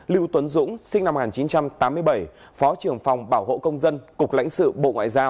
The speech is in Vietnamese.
lưu tuấn dũng sinh năm một nghìn chín trăm tám mươi bảy phó trưởng phòng bảo hộ công dân cục lãnh sự bộ ngoại giao